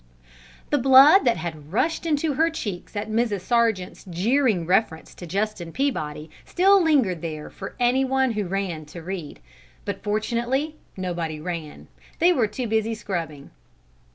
The blood that had rushed into her cheeks at Mrs. Sargent's jeering reference to Justin Peabody still lingered there for any one who ran to read, but fortunately nobody ran; they were too busy scrubbing.